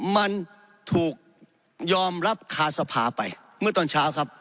มันถูกยอมรับคาสภาไปเมื่อตอนเช้าครับ